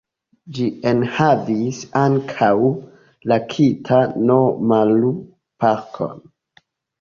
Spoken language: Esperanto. Ĝi enhavis ankaŭ la Kita-no-maru-parkon.